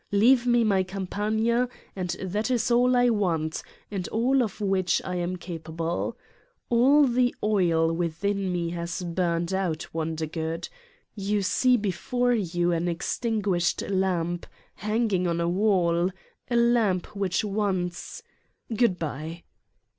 Leave me my Campagna and that is all I want and all of which I am capable. All the oil within me has burned out, Wondergood. You see before you an extin guished lamp hanging on a wall, a lamp which once Goodbye.